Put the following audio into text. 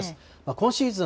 今シーズン